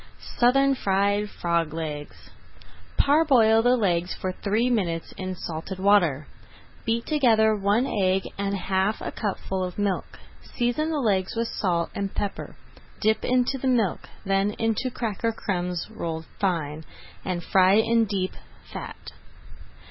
SOUTHERN FRIED FROG LEGS Parboil the legs for three minutes in salted water. Beat together one egg and half a cupful of milk. Season the legs with salt and pepper, dip into the milk, then into cracker crumbs rolled fine, and fry in deep fat.